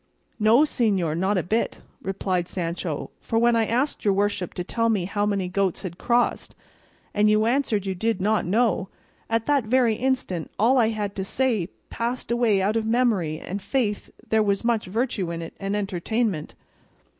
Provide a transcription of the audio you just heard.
"No, señor, not a bit," replied Sancho; "for when I asked your worship to tell me how many goats had crossed, and you answered you did not know, at that very instant all I had to say passed away out of my memory, and, faith, there was much virtue in it, and entertainment."